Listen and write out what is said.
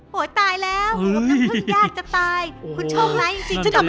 โหตายแล้วหมูอบน้ำพึ่งยากจะตาย